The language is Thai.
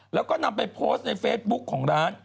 แล้วก็นำไปโพสต์ในเฟซบุ๊กของร้าน